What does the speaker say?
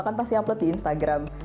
kan pasti upload di instagram